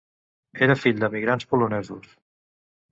Era fill d'emigrants polonesos.